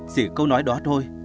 chỉ câu nói đó thôi